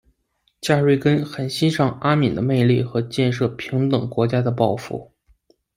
加瑞根很欣赏阿敏的魅力和建立平等国家的抱负。